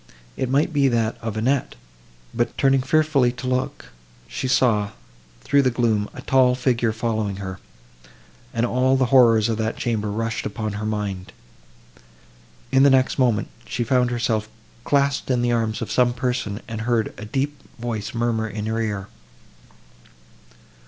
—It might be that of Annette; but, turning fearfully to look, she saw, through the gloom, a tall figure following her, and all the horrors of that chamber rushed upon her mind. In the next moment, she found herself clasped in the arms of some person, and heard a deep voice murmur in her ear.